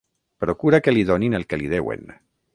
Procura que li donin el que li deuen.